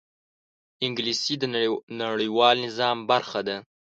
انګلیسي د نړیوال نظم برخه ده